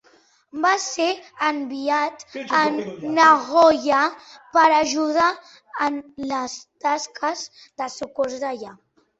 Va ser enviat a Nagoya per ajudar en les tasques de socors d'allà.